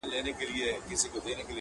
بس هغه ده چي مي مور کیسه کوله -